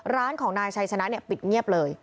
ร้านของนายชัยชนะปิดเงียบเลย